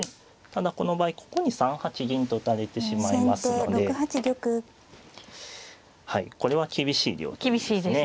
ただこの場合ここに３八銀と打たれてしまいますのでこれは厳しい両取りですね。